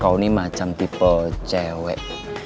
kau ini macam tipe cewek